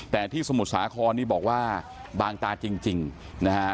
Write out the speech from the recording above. แต่ที่สมุทรสาครนี่บอกว่าบางตาจริงนะฮะ